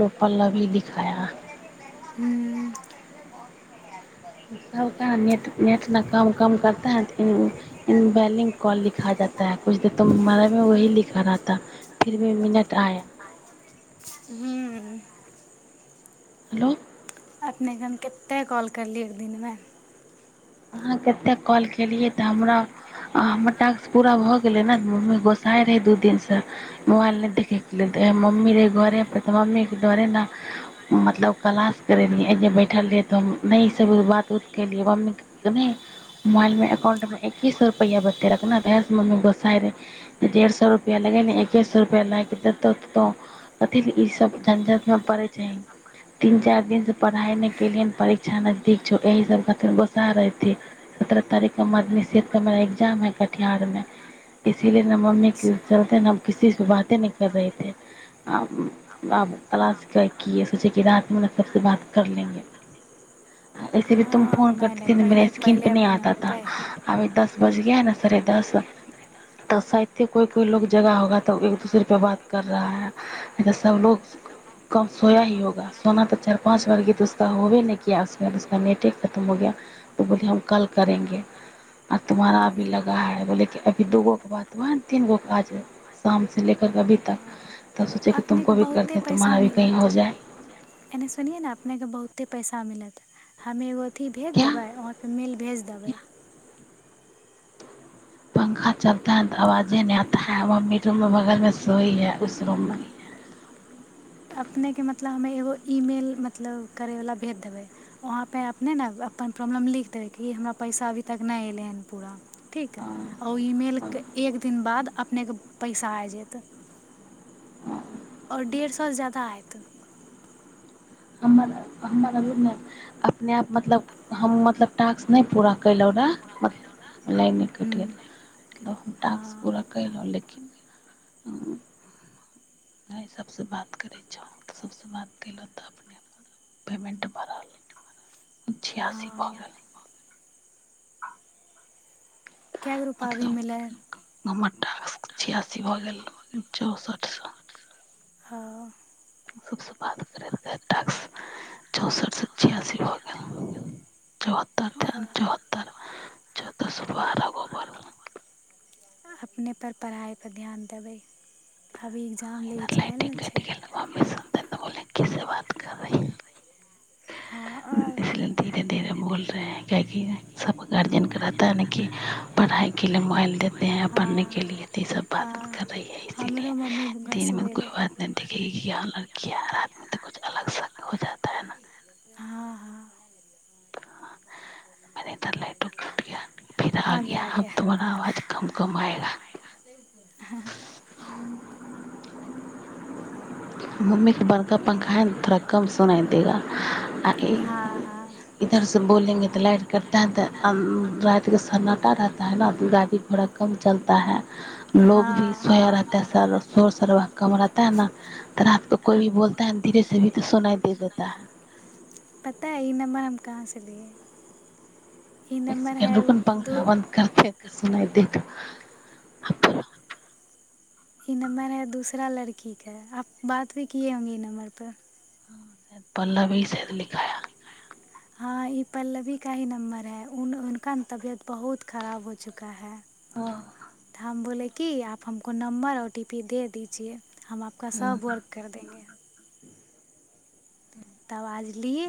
लोको पल्लवी दिखाया हू सभके नेट नेट ने काम कम करता है तऽ बैलिंग कॉल लिखा जाता है कछु देर तो हमारामे वही लिखा रहाता फिर भी मिनट आया ह्म हेलो अपनेके हम कतेक कॉल करलियै एक दिनमे अहाँ कतेक कॉल केलियै तऽ हमरा हमर टास्क पूरा भऽ गेलै ने मम्मी गोसाइ रहै दू दिनसँ मोबाइल नहि देखयके लेल तऽ मम्मी रहै घरेपर तऽ मम्मीके डरे ने मतलब क्ास करैत रहियै एहि जे बैठल रहियै तऽ हम नहिसभ बात उत केलियै मम्मीके मोबाइल में एकाउंट में एके सए रुपआ बतेलक ने मम्मी गोसा रहे डेढ़ सए रुपआ लगेे एके सए रुपआ लाग के देतोो कथ ई सब झंझट में पड़े छै तीन चार दिन से पढ़ाई नहि केलिये परीक्षा नजदीक छौ एहि सब खार गोस्सा रहे सत्रह तारीख मद्यनिषेध का हमारा ए्जाम है कटिहार मे इसीलिए ने ममी चलते न किस को बाते न कर रहेे तलाश क सोचे र मे सबसँ बात कर लेंगे ऐसे भी तुम हँ फोन नहि करत नहि कीपने पहिले पहिले नहि आताथा अपने अभी दस बजे है ने सरे दस तऽ सााये कोइ कोइ लोग जगह होगा तऽ एक दूसरे पे बात कर रहा है नहि तऽ सब लोग कम सोया ही होगा सोना तऽ चार पाँच बार गी तक होबे न कसक नेटे खतम हो गया त बोले हम कल करेंगे आर तुम्हारा अभी लगा है बोले कि अभी दूगोे बातै ने तीनगो के आज शाम से लेेकके अभी तक तब सोचे कि अपने को तुमको भी बहुते करते हैं पैसा तुम्हारा भी मिल कहीं हो जाए एने सुने ने अपने के बहुते पैसा मिलत हम एगो अथी भेज क्या देबै अहाँ पर मेल भेज दे दबैा पंखा चलता है तऽ आवाजे नहि आता है मम्मी रूममे बगलमे सोइ है उस रूममे अपनेके मतलब हमे एगो ई मेल मतलब करैवला भेज देबै वहाँपर अपने ने अपन प्रॉब्लम लिख देबै कि हमरा पैसा अभी तक नहि एलै हन पूरा ठीक आ ई मेल के एक दिन बाद अपनेके पैसा आब जेत आओर डेढ़ सएसँ जा्यदा हयत हमर हमर अभ ने अपने आप मतलब हम मतलब टास्क नहि पूरा कयलहुँ रहए लाइने कटि गेल हुँ मतलब हम टास्क हँ पूरा कयलहुँ लेकिन सभसँ बात करै छहु सभसँ बातहुँ तऽ अपने पेमेन्ट बढ़ल छियासी भऽ हँ गेल क गो रूपा भी मतलब मिलै ह हमर छियासी भऽ गेल चौंसठि सए हँ सबस बात करैत करैत चौंसठ सए छियासी भ गेल चौहत्तर हँ चौहत्तर चौतर सए बारह गो पड़ अपने पर पढ़ाइ पर ध्यान देबै अभी एग्जाम लैके इधर जायल लाइटे ने छै की से बात कर रही हँ आओर इसलिए धीरे धीरे बोल रहे हैं काहेकि सब गार्जियन के रहता है न कि पढ़ाई के लि मोबाइल देते हैं पढ़ने हँ के लि तऽ सब बात हँ कर रही है हमरो इसीलिए मम्मी दिनमे घसबै त कोइ रहै बात नहि देखिखेगी कि य लड़की किया रातमी तऽ कुछ अलग शक हो जाता है न हँ हँ मने तर लाइटो कट गया फिर आ गया हम तोमारा आवाज कम कमएगा हँ मम्मीके बड़का पंखा ह त थोड़ा कम सुनाय देगा आ इ हँ हँ इधर से बोलेंगे तऽ लाइट कटता है तऽ राते सन्नाटा रहता है ने गाड़ी घोड़ा कम चलता है लोग भी हँ सोया रहता है स शोर शरबाह कम रहता है ने त रब तऽ कोइ भी बोलता है धीरे से भी तऽ सुनाइ दे देता है पता हय ई नम्बर हम कहाँ से लिए ई एक नम्बर है सेकेंड रुको न दू पंखा बन्द करते तऽ तेपर ई नम्बर है दूसरा लड़की क आप बात भी किए होंगे ई नम्बर पर ह श पल्लवी शायद लिखाया हँ ई पल्लवी का ही नंबर है उ उनका न तबियत बहुत खराब हो चुका है हम बोले की की आप हमको नंबर ओ टी पी दे दीजिए हम आपका सब वर्क कर देेंगे तब आज लियै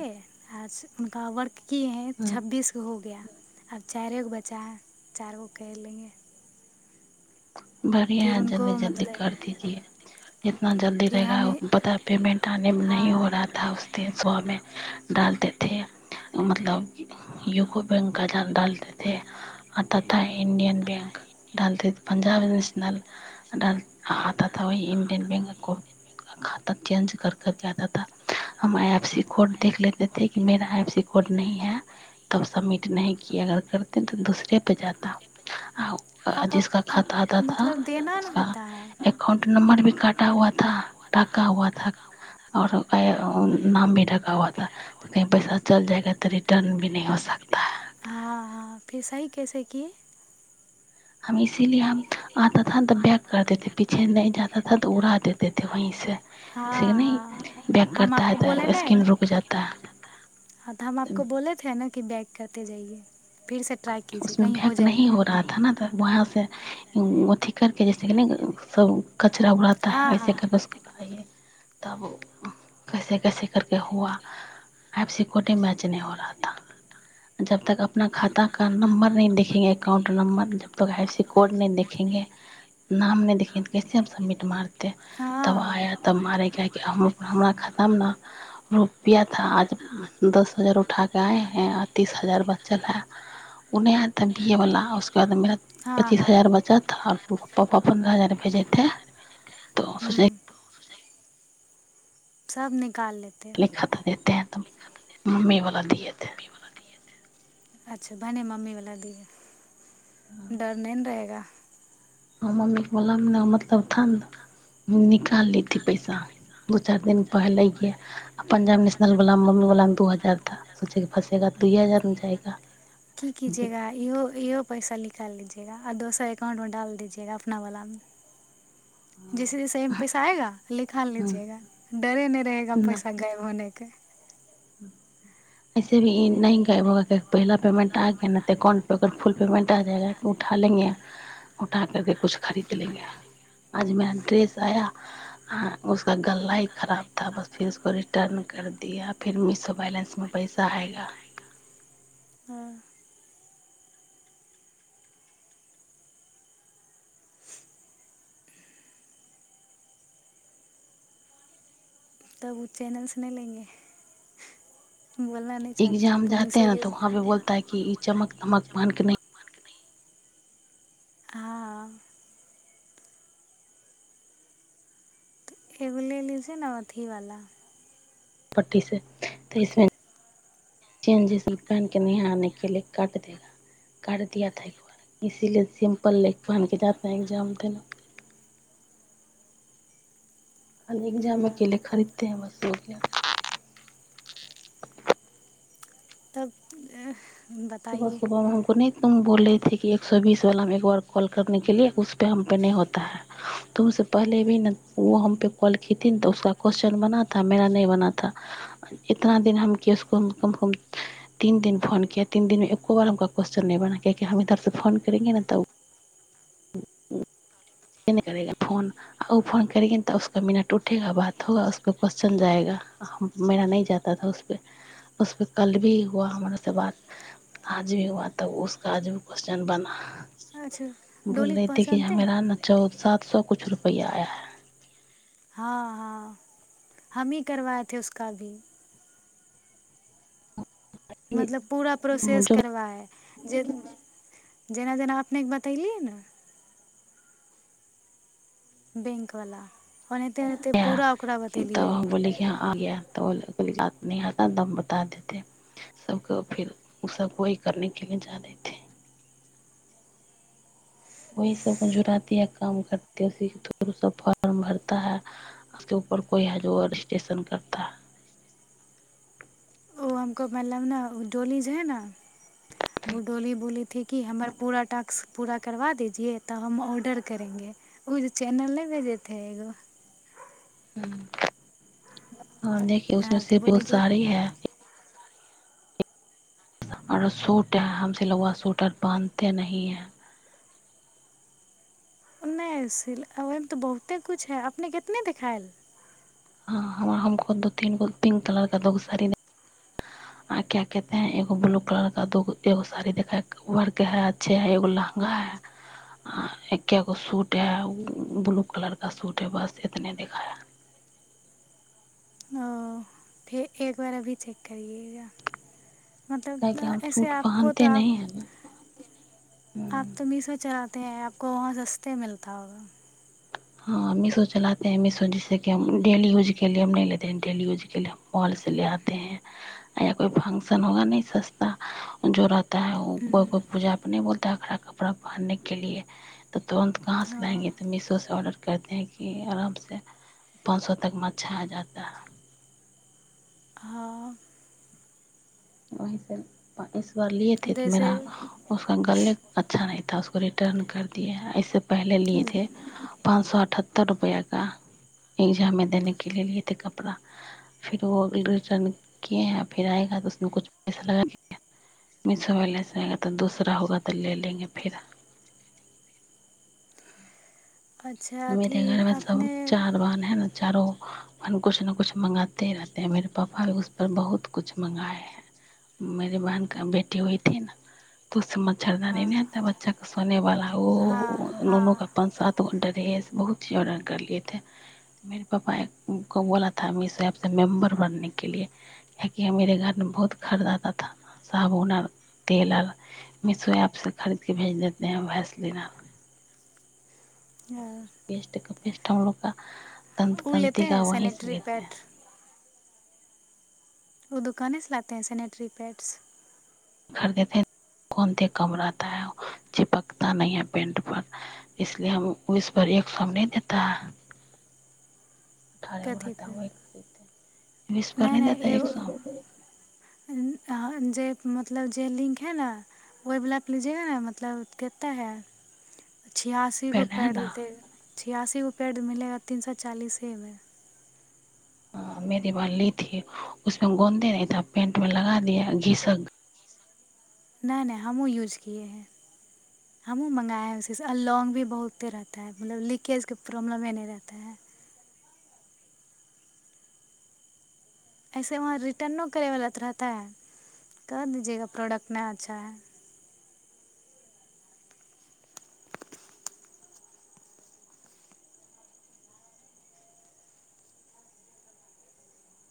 आ हुनका वर्क की है छब्बीस गो हो गया आब चारिए गो बचा ह चारि गो कर लेंगे बढ़िआ फिर ह जल्दी उनको जल्दी मतलब कर दीजिए जितना जल्दी फिर रहेगा हमें पता पेमेन्ट आनेमे हाँ नहि हो रहा था उस दिन स मे डालते मतलब यूको बैंक क डालते े अ तथा इं्डियन बैंक डालते पंजाब नेशनल खताथा वह इं्डियन बैंकक खाता चेंज कर करके आता ा हम आइ एफ सी कोड देख लेतेथे कि मेरा आइ एफ सी कोड न है तब समिट नहि कि अगर करते तऽ दूसरे पर जाता आ अ आप जसका खाता आताथा उक होता है एककाउंट नं्बर भी काटा हुआथा टाका और नाम भी ढका हुआ ा कही पैसा चल जाएगा तऽ रिटर्न भी न हो सकता है फिसही कैसे की हम इसीलिए हम आता थ तऽ बैक कर देेते पीछे नहि जाा ा तऽ उड़ा देतेथे वहीं से जैसे कि नहीं हँ बैक हम करता है आपको बोले तो ने स्क्रीन रुक जाता तऽ है हमपको बोलेथे ने बैग करे जाइए फिर से ट्राई कीजिए उसमे कहीं हो भक जाएगा नी हो रहा थ न तऽ वहाँ से अथ करके जस ने सब कचरा उड़ाता ह हँ हँ वऐसे करके उसको उड़इए तब कैसे कैसे करके हुआ ब सिक्यटी मैच नहि हो रहा जब तक अपना खाता का नम्बर नीं देखेंगे एकाउंट नं्बर जब तो आ सी कोड न देखखेंगे नाम न देखखेंगे त कैसे हम सबमिट मारतेै तब हँ हँ हँ आया तब मारे हँ क हमरा खाता मे ने रुपआथा आज दस हजार उठा के आएे हैं आ तीस हजार ब चल है ओ नहि आयता बी ए वालला उसके बाद मे पच्चीस हजार बचत आर पापा पन्द्रह हजार भेजे े तो सोचे हूँ सब न लिख तऽ देते ह मम्मी वला दएे अच्छा भने मम्मी वला दए डर नहि ने रहेगा ह मम्मीे बोलामे ने मतलब था ने निकाल लीथी पैसा दू चारि दिन पहिले आ पंजाब नेशनल बलामे मम्मी बलामे दू हजार ा सोचेके फँसेगा दू हजारमे जाएगा की कीजेगा इहो इहो पैसा निकाल लीजे आ दोसर एकाउंट मे डाल दीजेगा अपना बला जैसे जैसेमे पैसा आएगा लिखा हम्म, लीजेगा डरे नहि रहेगा ना पैसा गायब होने के [inaudible] ऐसे भी नहि गो पहला पेमेंट आ गा ने तऽ अाउंट प ओकर फुल पेमेंट आ जायगा उठा लेंगे उठा करके कुछ खरीद लेंगे आज मेरा ड्रेस आय उसका गला ही खराब थ बस फिरसको रिटर्न कर दिया फिर मिशो बैलंस मे पैसा आएगा हाँ तब ओ चैनल्स नहि लेंगे बोलना नहीं चाहते आप एग्जाम तो जाेै मीशो यूज नऽ वहाँ पे जाते हैं तो बोलता है वहाँ कि पे बोलता है चमक कि तमक चमक बान्हिकेऽ नमक नहि मान के नहीं। हाँ एगले ल छै ने अथीवाला पटी से तऽ इसमे चज पहन के निहे के ल कटाट दियाा एक बार इसीलि सिम्पल ल पहन के जात एक्जामे ने खाली ए्जाम हाँ अकेले खरीदते है बस रुपआ तब सुबह बताइए सुबह हम नहि तुम बोल रहेथे कि एक सए बीस वालामे एक बार कॉल करने के लि उसपे हम पे न होता है तुम से पहले भी ने वो हम पे कॉल कीतीी ने तऽ उसका क्वस््चन बनाथा मेरा नहि बनाथा इतना दिन हम कि उसको कम कम तीन दिन फोन क तीन दिनमे एक्को बार हमक क्वेश्चन नहि बना कआाकि हम इधर से फोन करेंगे ने तऽ करे फोन आ ओ फोन करेंगे न तऽ उसक मना टूठेगा बात होगा उसपे क्वेशस््चन जाएगा मेरा नहि जाताथा उसपे उसपे कल भी हुआ हमरास से बात आज भी हुआ तब उसक आज भी क्वस््चन बना अच्छा बोल डोली को रहे ती कि पहचानते हैं हमरा न चौद साात सए किछ रुपैआ आय है हँ हँ हमी करवएथे उसका भी मतलब पूरा प्रोसेस जो करबाए जे जेना जेना अपनेके बतलियै ने बैंकवला ओनाहिते ओनाहिते पूरा ओकरा तब बतेलियै हम बोल कि ह तऽ ओ बात नहि हता दम बता देते सभके फेर ओ सभ वह करनेके लिए जा देतै वह सब जुड़ती है काम करती है उी थ्र फर्म भरता है उसके ऊपर कोइ ह ज रजिस्ट्रेशन करता है ो हमको मतलब ने डोली जे है न ओ डोली बोली ी कि हमर पूरा टास्क पूरा करबा दीजिये तऽ हम ऑर्डर करेंगे ओ जे चैनल नहि भेजेथे एगो ह हँ देख उसमे हँ तऽ से बोले बहुत कि सारे है आरो सूट हम सिलवआ सूटर बान्हते नहं हैं ओहिमे तऽ बहुते कुछु है अपने कितने देखिखाायल ह हमको दू तीन गो पिंक कलर का दोगो साड़ी आ क्या कहेै एगो ब्लू कलर काग एगो साड़ी देखा वर्क है अच्छे है एगो लहंगा है आ एकगो सूट है ब्लू कलर का सूट है बस इतने दिखाया फेर एक बार अभी चेक करएगा क्या कि मतलब हम ऐसे सूट आपको पहनते तऽ नहीं है ना आप हम्म। तऽ मीशो चला ेै आपको वहाँ सस्ते मिलता होगा हँ मीशो चलाे है मीशो जिसे कि डेली यूज के लए हम नहि लेते ह डी यूज के लि मॉल से ले आे है य या कोई फंकशन होगा न सस्ता जो रह ता को कोइ पूजा अपने बोलता करा कपड़ा पहनने के लए तऽ तुरन्त कहाँ से लाएंगे हाँ तऽ मिशो से ऑर्डर करे है कि आराम से पाँच सो तक म अच्छा आ जाता है हाँ ओहीसँ इस लिथे तऽ जैसे मेरा उसमें गले अच्छा ना रिटर्न कर दिएै ऐसे पहले लिये थे पाँच सए अठहत्तर सत्त रुपआ का एक्जाममे देने के ल लएथे कपड़ा फिर ओ रिटर्न किए य फि आएगा छ पैसा लगास व सेा तऽ दूसरा होगा तऽ ले लेंगे फिर अच्छा मेे अथी घर मे सब अपने चार बहन है ने चारो कुछ ने कुछ मंगाते रहत है मेर पापा भी उस पर बहुत कुछ मंगाए है मेरी बहन क बेटी हई ही न त उस मच्छरदानी न आता बच्चा के सोने वाला हँ वो दोनों हँ का पाँच सात घण्टाे बहुत चीज ऑर्डर करलियेथे मेर पापा को बोलाथ मिशो प से मेंबर बनने के लि काकि मरे घरमे बहुत खरीदता थ साबुन आर तेल आर मिशो ऐप से खरीदके भेज देते हैं भैसलिनर हँ बेठलग दन्तकन्तिका हैं वही से सैनिटरी लेते है पैड ओ दोकानेसँ लाते हैं सनेटरी पैड्स खरीदेतेै कोनते कम रहताै चिपकता नह है पेंट पर इसलि हम इस परर एक सएमे नहि देता है अठारे उ कथी रह तै पे ओहि करतै विस पर नहीं नहि देता नहीं एक एगो सए जे मतलब जे लिंक है ने ओहिवलाप लीजेा ने मतलब कितेक है छियासी को पहले है पैडल ना दे छिआासी ग पेड मिलेगा तीन सए चालिसेमे ह मेरी बालीथी उसमे गोन्दे नहिथा पेंट मे लगा दिया घिसक नहि नहि हमहूँ यूज किए हैं हमहूँ मंगाए हैं उसी से अ लॉग भी बहुते रहता है मतलब लीकेजके प्रॉब्लम ह नहि रहता है ऐसे वहाँ रिटर्नो करयवला तऽ रहतै कऽ दीजियगा प्रोडक्ट नहि अच्छा है